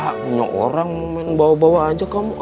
banyak orang mau main bawa bawa aja kamu